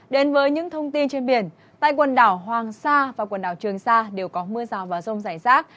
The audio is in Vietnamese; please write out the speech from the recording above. đến với những thông tin trên biển tại quần đảo hoàng sa và quần đảo trường sa đều có mưa rào và rông rải rác